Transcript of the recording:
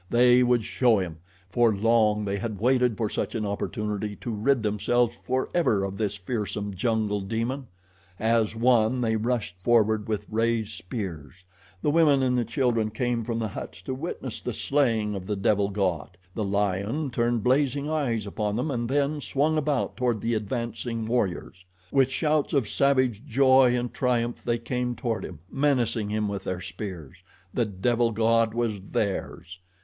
They would show him! For long they had waited for such an opportunity to rid themselves forever of this fearsome jungle demon. As one they rushed forward with raised spears. The women and the children came from the huts to witness the slaying of the devil god. The lion turned blazing eyes upon them and then swung about toward the advancing warriors. With shouts of savage joy and triumph they came toward him, menacing him with their spears. The devil god was theirs!